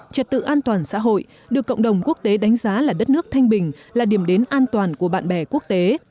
trật tự an toàn xã hội được cộng đồng quốc tế đánh giá là đất nước thanh bình là điểm đến an toàn của bạn bè quốc tế